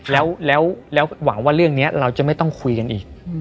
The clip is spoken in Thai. แล้วหวังว่าเรื่องนี้เราจะไม่ต้องคุยกันอีก